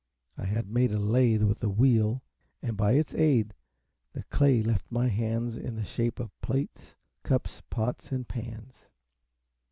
I had made a lathe with a wheel, and by its aid the clay left my bands in the shape of plates, cups, pots, and pans.